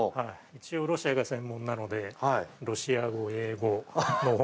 一応ロシアが専門なのでロシア語、英語。